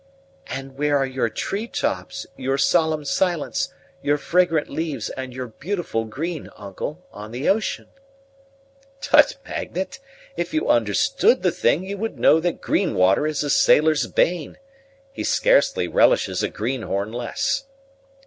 "And where are your tree tops, your solemn silence, your fragrant leaves, and your beautiful green, uncle, on the ocean?" "Tut, Magnet! if you understood the thing, you would know that green water is a sailor's bane. He scarcely relishes a greenhorn less."